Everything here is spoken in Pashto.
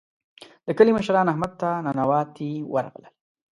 د کلي مشران احمد ته ننواتې ورغلل.